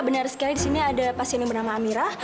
benar sekali di sini ada pasien yang bernama amirah